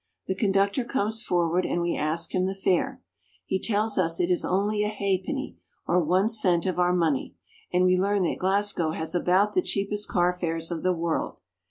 The conductor comes forward and we ask him the fare. He tells us it is only a ha'penny, or one cent of our money, and we learn that Glasgow has about the cheapest car fares of the world.